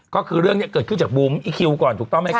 ก็คือเรื่องนี้เกิดขึ้นจากบูมอีคิวก่อนถูกต้องไหมครับ